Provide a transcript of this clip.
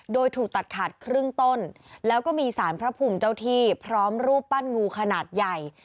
โดยถูกตัดขาดครึ่งต้นแล้วก็มีสารพระภูมิเจ้าที่พร้อมรูปปั้นงูขนาดใหญ่